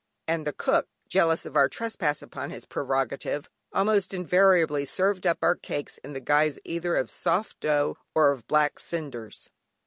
And the cook, jealous of our trespass on his prerogative, almost invariably served up our cakes in the guise, either of soft dough, or of black cinders.